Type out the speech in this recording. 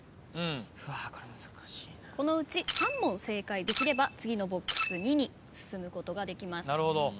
このうち３問正解できれば次のＢＯＸ②に進むことができます。